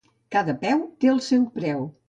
Cada peu té el seu preu.